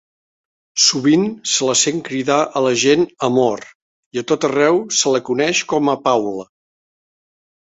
Sovint se la sent cridar a la gent "amor", i a tot arreu se la coneix com a "Paula".